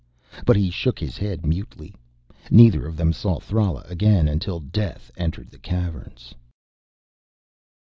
But he shook his head mutely. Neither of them saw Thrala again until Death entered the Caverns.